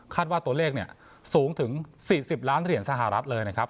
ว่าตัวเลขสูงถึง๔๐ล้านเหรียญสหรัฐเลยนะครับ